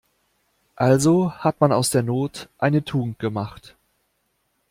Also hat man aus der Not eine Tugend gemacht.